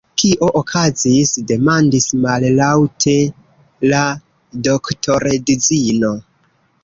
Kio okazis? demandis mallaute la doktoredzino.